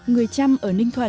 người trăm ở ninh thuận